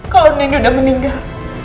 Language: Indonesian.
kalau nenek udah meninggal